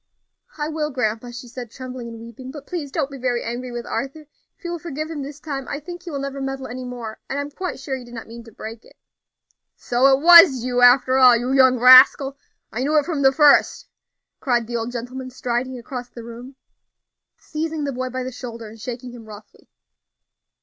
"I will, grandpa," she said, trembling and weeping; "but please don't be very angry with Arthur; if you will forgive him this time, I think he will never meddle any more; and I am quite sure he did not mean to break it." "So it was you, after all, you young rascal! I knew it from the first!" cried the old gentleman, striding across the room, seizing the boy by the shoulder and shaking him roughly.